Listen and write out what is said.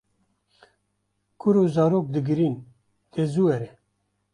Kur û zarok digrîn, de zû were